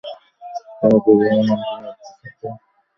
তারা দুজনেই মঞ্চনাটকের সাথে জড়িত।